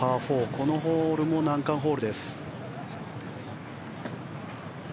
このホールも難関ホールです。